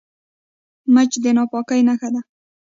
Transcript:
مچ د ناپاکۍ نښه ده